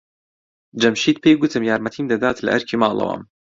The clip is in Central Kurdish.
جەمشید پێی گوتم یارمەتیم دەدات لە ئەرکی ماڵەوەم.